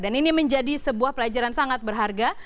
dan ini menjadi sebuah pelajaran sangat berharga